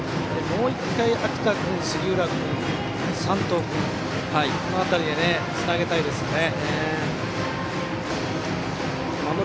もう１回秋田君、杉浦君、山藤君とこの辺りにつなげたいですね。